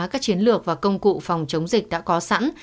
các chiến lược và công cụ phòng chống dịch đã có sẵn